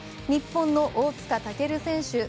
日本の大塚健選手。